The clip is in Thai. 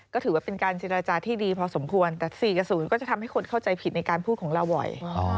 ก็ถือว่าเป็นการเจรจาที่ดีพอสมควรแต่๔กับ๐ก็จะทำให้คนเข้าใจผิดในการพูดของเราบ่อย